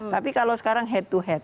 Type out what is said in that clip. tapi kalau sekarang head to head